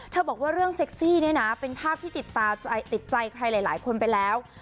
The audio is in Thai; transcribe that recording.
บอกว่าเรื่องเซ็กซี่เนี่ยนะเป็นภาพที่ติดใจใครหลายคนไปแล้ว